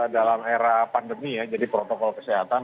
dalam era pandemi ya jadi protokol kesehatan